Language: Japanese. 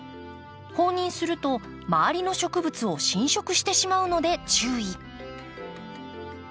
放任すると周りの植物を侵食してしまうので注意。